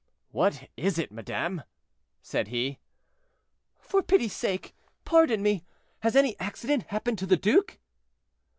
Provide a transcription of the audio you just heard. "What is it, madame?" said he. "For pity's sake, pardon me; has any accident happened to the duke?"